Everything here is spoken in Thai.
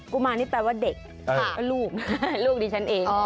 ุมารนี่แปลว่าเด็กก็ลูกลูกดิฉันเอง